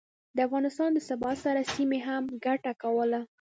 د افغانستان د ثبات سره، سیمې هم ګټه کوله